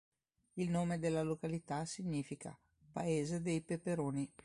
Il nome della località significa "paese dei peperoni".